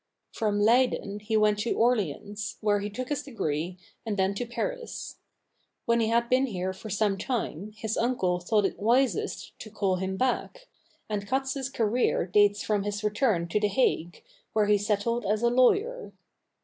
From Leyden he went to Orleans, where he took his degree, and then to Paris. When he had been here for some time, his uncle thought it wisest to call him back; and Cats's career dates from his return to The Hague, where he settled as a lawyer.